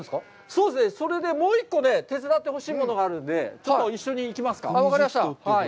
そうですね、それでもう１個手伝ってほしいものがあるので、一緒に行きますか。